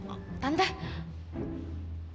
oh tante mirna